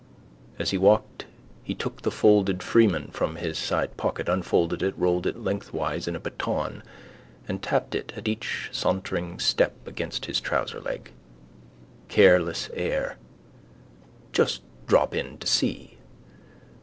As he walked he took the folded Freeman from his sidepocket, unfolded it, rolled it lengthwise in a baton and tapped it at each sauntering step against his trouserleg. Careless air: just drop in to see.